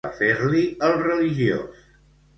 Què va fer-li el religiós?